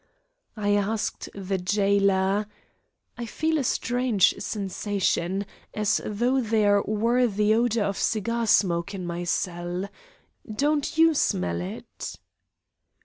I asked the jailer: "I feel a strange sensation, as though there were the odour of cigar smoke in my cell. Don't you smell it?"